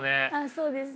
そうですね。